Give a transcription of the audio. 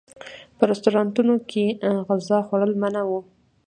په رسټورانټونو کې غذا خوړل منع و.